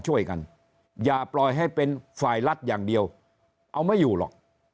อย่าปล่อยให้เป็นฝ่ายรัฐอย่างเดียวเอาไม่อยู่หรอก